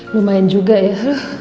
lumayan juga ya